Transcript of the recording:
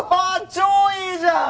超いいじゃん！